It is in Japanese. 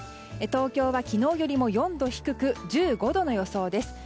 東京は昨日よりも４度低く１５度の予想です。